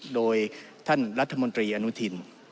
โดยท่านรัฐมนตรีอนุทิน